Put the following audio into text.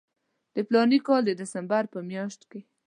د فلاني کال د ډسمبر په میاشت کې.